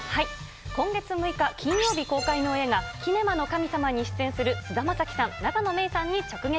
今月６日金曜日公開の映画、キネマの神様に出演する菅田将暉さん、永野芽郁さんに直撃。